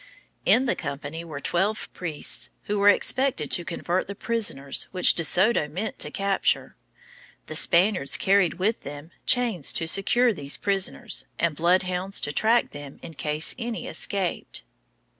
In the company were twelve priests, who were expected to convert the prisoners which De Soto meant to capture. The Spaniards carried with them chains to secure these prisoners, and bloodhounds to track them in case any escaped.